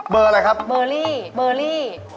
เบอร์อะไรครับเบอร์รี่